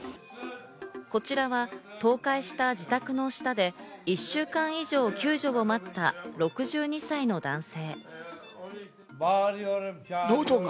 こちらは倒壊した自宅の下で、１週間以上、救助を待った６２歳の男性。